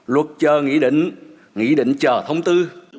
luật chờ nghĩ định nghĩ định chờ thông tư